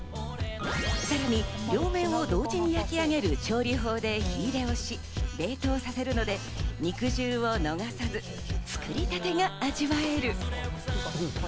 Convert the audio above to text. さらに両面を同時に焼き上げる調理法で冷凍させるので肉汁を逃さず、作りたてが味わえる。